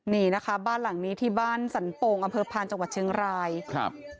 นี่นะคะบ้านหลังนี้ที่บ้านสันโป่งอำเภอพานจังหวัดเชียงรายครับ